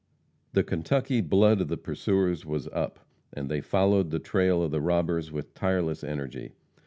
The Kentucky blood of the pursuers was up, and they followed the trail of the robbers with tireless energy.